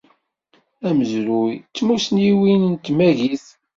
Amezruy d tmussniwin n tmagit.